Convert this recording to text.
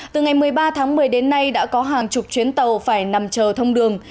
từ ngày một mươi ba tháng một mươi đến nay đã có hàng chục chuyến tàu phải nằm chờ thông đường